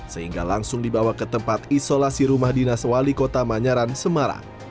sehingga langsung dibawa ke tempat isolasi rumah dinas wali kota manyaran semarang